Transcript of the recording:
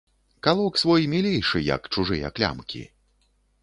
Калок свой мілейшы, як чужыя клямкі.